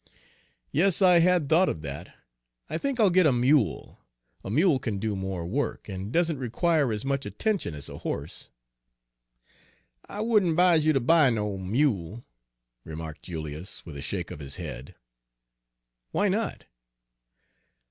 "Yes, I had thought of that. I think I'll get a mule; a mule can do more work, and doesn't require as much attention as a horse." "I wouldn' 'vise you ter buy no mule," Page 106 remarked Julius, with a shake of his head. "Why not?"